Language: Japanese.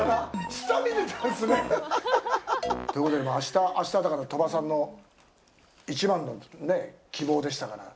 下見てたんですね。ということで、あしたあした、だから鳥羽さんの一番のね、希望でしたから。